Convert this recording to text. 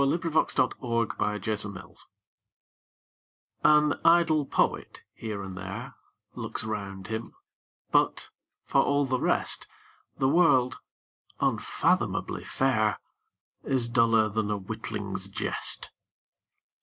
Coventry Patmore The Revelation AN idle poet, here and there, Looks round him, but, for all the rest, The world, unfathomably fair, Is duller than a witling's jest.